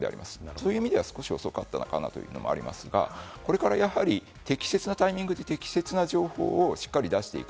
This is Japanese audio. そういう意味では少し遅かったというのもありますが、これからやはり適切なタイミング、適切な情報をしっかり出していく。